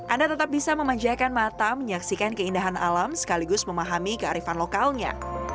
anda tetap bisa memanjakan mata menyaksikan keindahan alam sekaligus memahami keadaan di luar sana